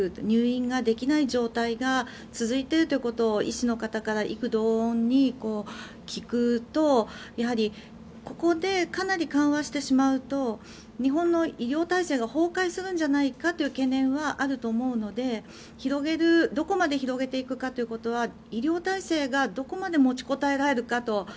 入院ができない状態が続いているということを医師の方から異口同音に聞くとやはりここでかなり緩和してしまうと日本の医療体制が崩壊するんじゃないかという懸念はあると思うのでどこまで広げていくかということは